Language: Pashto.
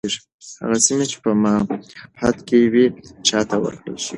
هغه سیمي چي په معاهده کي وي چاته ورکړل شوې؟